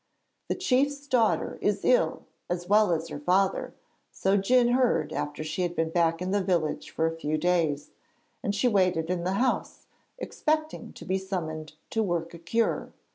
'The chief's daughter is ill as well as her father,' so Djun heard after she had been back in the village for a few days, and she waited in the house, expecting to be summoned to work a cure.